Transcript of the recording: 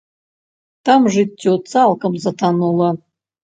Там жыццё цалкам затанула.